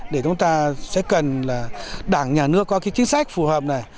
để chúng ta sẽ cần là đảng nhà nước có cái chính sách phù hợp này